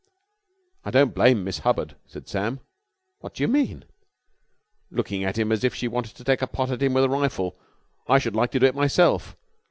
"I don't blame Miss Hubbard," said Sam. "What do you mean?" "Looking at him as if she wanted to pot at him with a rifle. I should like to do it myself.